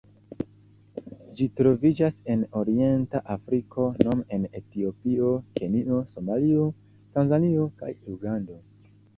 Ĝi troviĝas en Orienta Afriko nome en Etiopio, Kenjo, Somalio, Tanzanio kaj Ugando.